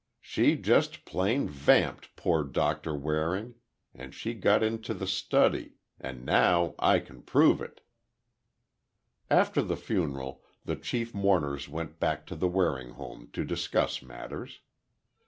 "She just plain vamped poor Doctor Waring—and she got into the study—and, now, I can prove it!" After the funeral, the chief mourners went back to the Waring home to discuss matters. Mrs.